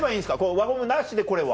輪ゴムなしでこれは。